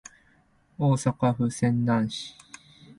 大阪府泉南市